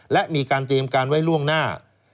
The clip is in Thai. และมีการเตรียมการไว้ล่วงหน้า